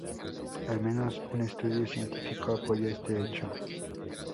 Al menos un estudio científico apoya este hecho.